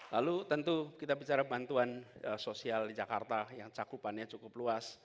lalu tentu kita bicara bantuan sosial di jakarta yang cakupannya cukup luas